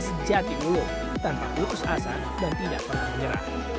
sejati ulu tanpa putus asa dan tidak pernah menyerah